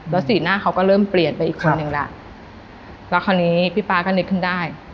แล้วสีหน้าเขาก็เริ่มเปลี่ยนไปอีกคนนึงแล้วแล้วคราวนี้พี่ป๊าก็นึกขึ้นได้